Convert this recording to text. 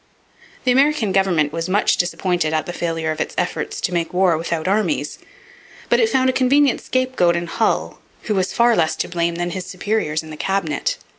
The American government was much disappointed at the failure of its efforts to make war without armies. But it found a convenient scapegoat in Hull, who was far less to blame than his superiors in the Cabinet.